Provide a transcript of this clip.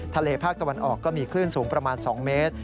ภาคตะวันออกก็มีคลื่นสูงประมาณ๒เมตร